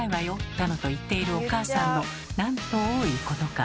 だのと言っているお母さんのなんと多いことか。